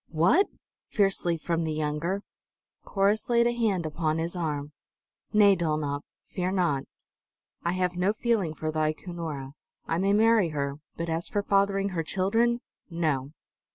"What!" fiercely, from the younger. Corrus laid a hand upon his arm. "Nay, Dulnop; fear not. I have no feeling for thy Cunora; I may marry her, but as for fathering her children no!"